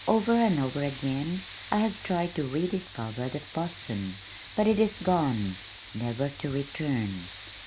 Over and over again I have tried to re discover that Boston, but it is gone, never to return.